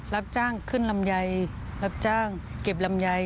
รับจ้างขึ้นลำไยรับจ้างเก็บลำไย